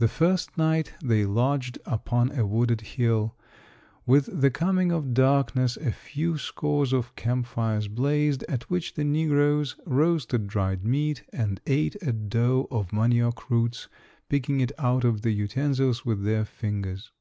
The first night they lodged upon a wooded hill. With the coming of darkness a few scores of camp fires blazed, at which the negroes roasted dried meat and ate a dough of manioc roots, picking it out of the utensils with their fingers.